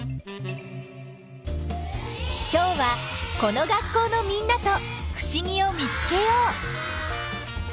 今日はこの学校のみんなとふしぎを見つけよう。